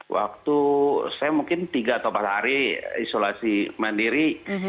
waktu saya mungkin tiga atau empat hari isolasi mandiri